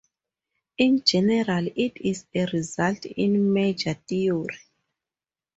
In general, it is a result in measure theory.